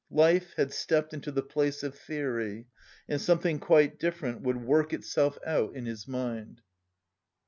Life had stepped into the place of theory and something quite different would work itself out in his mind.